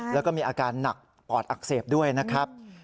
แล้วก็มีอาการหนักปอดอักเสบด้วยนะครับ